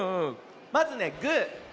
まずねグー。